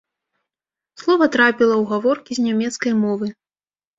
Слова трапіла ў гаворкі з нямецкай мовы.